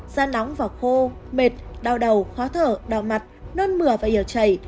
da nóng và khô mệt đau đầu khó thở đau mặt nơn mửa và yếu chảy